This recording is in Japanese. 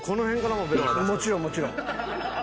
もちろんもちろん。